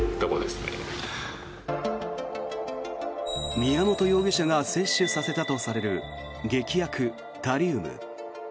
宮本容疑者が摂取させたとされる劇薬タリウム。